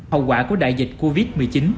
hậu quả của đại dịch covid một mươi chín